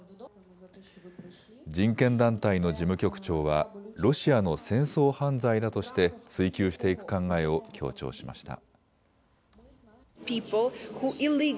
人権団体の事務局長はロシアの戦争犯罪だとして追及していく考えを強調しました。